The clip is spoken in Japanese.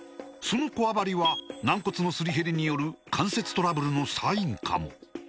そのこわばりは軟骨のすり減りによる関節トラブルのサインかもひざに違和感を感じたら